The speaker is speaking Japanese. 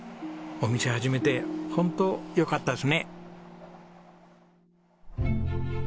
お店始めてホントよかったですね。